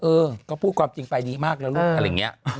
เออก็พูดความจริงไปดีมากแล้วลูกอะไรอย่างนี้